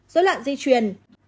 dối loạn di truyền